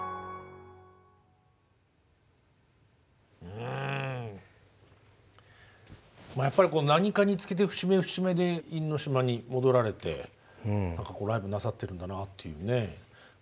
うんやっぱり何かにつけて節目節目で因島に戻られてライブなさってるんだなっていうね。